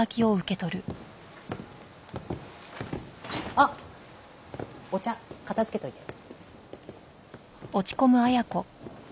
あっお茶片付けておいて。